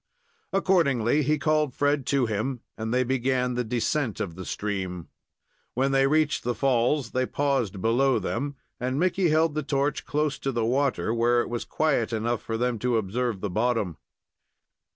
Accordingly, he called Fred to him, and they began the descent of the stream. When they reached the falls, they paused below them, and Micky held the torch close to the water, where it was quiet enough for them to observe the bottom.